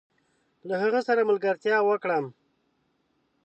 له هغه سره ملګرتيا وکړم؟